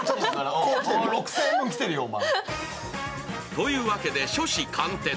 というわけで初志貫徹。